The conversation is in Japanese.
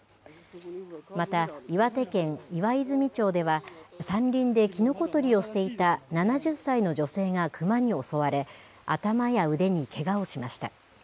また岩手県岩泉町では、山林できのこ採りをしていた７０歳の女性がクマに襲われ、頭や腕にけがをしました。